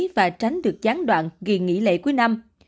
và tránh được gián đoạn ghi nghỉ lệ cuối năm